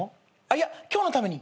いや今日のために。